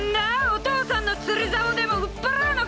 お父さんの釣りざおでも売っ払うのか！？